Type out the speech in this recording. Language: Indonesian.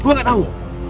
gue gak tau